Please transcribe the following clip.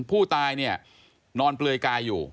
ผู้ตายนอนเปลยกายอยู่